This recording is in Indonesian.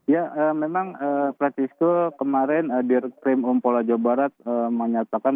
ya memang francisco kemarin dir krim umpola jawa barat menyatakan